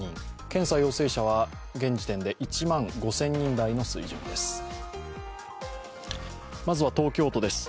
検査陽性者は現時点で１万５０００人台の水準です。